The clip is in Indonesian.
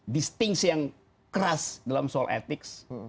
distincs yang keras dalam soal etik